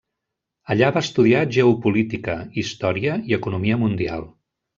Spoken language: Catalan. Allà va estudiar geopolítica, història i economia mundial.